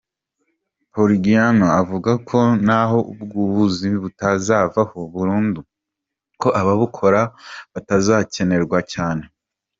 Pugliano avuga ko naho ubwo buzi butazovaho burundu, ko ababukora batazokenegwa cane.